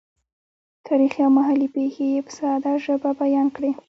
تاریخي او محلي پېښې یې په ساده ژبه بیان کړې.